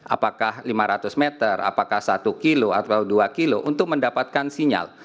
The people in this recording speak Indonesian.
apakah lima ratus meter apakah satu kilo atau dua kilo untuk mendapatkan sinyal